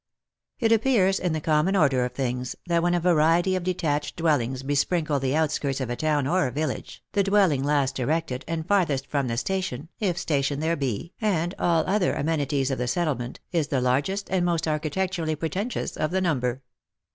It appears in the common order of things that _ when a variety of detached dwellings besprinkle the outskirts of a town or village, the dwelling last erected and farthest from the station, if station there be, and all other amenities of the settlement, is the largest and most architecturally pretentious of the number.